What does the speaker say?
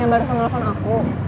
yang baru ngelepon aku